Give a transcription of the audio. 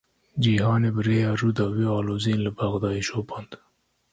Cîhanê bi rêya Rûdawê aloziyên li Bexdayê şopand.